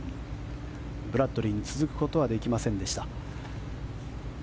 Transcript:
ブラッドリーに続くことはできませんでした。